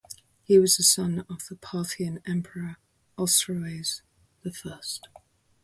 He was the son of the Parthian emperor Osroes the First.